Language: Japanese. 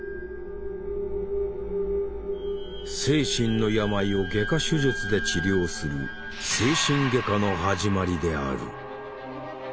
精神の病を外科手術で治療する「精神外科」の始まりである。